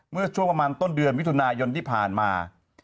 เมื่อช่วงประมาณต้นเดือนมิถุนายนที่ผ่านมา